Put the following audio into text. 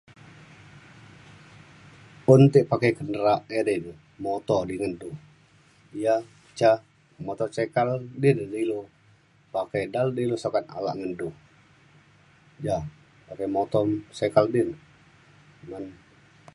un ti pakai kendera- edei ne moto di ngendu yak ca motosikal di ne ilu pakai dal di ilu sukat ngendu ja pakai motosikal di na men